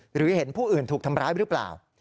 หรือเห็นผู้อื่นถูกทำร้ายหรือเปล่า